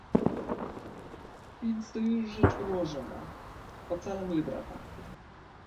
"Więc to już rzecz ułożona... ocalam jej brata."